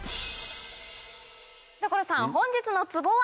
所さん本日のツボは？